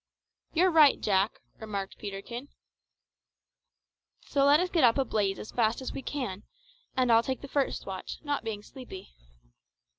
"You're right, Jack," remarked Peterkin; "so let us get up a blaze as fast as we can, and I'll take the first watch, not being sleepy.